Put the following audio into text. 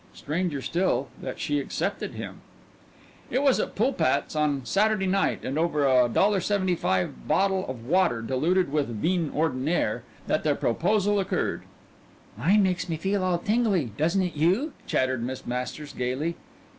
Stranger still that she accepted him. It was at Pulpat's on Saturday night and over a $1.75 bottle of water diluted with vin ordinaire that the proposal occurred. "Wine makes me feel all tingly, doesn't it you?" chattered Miss Masters gaily.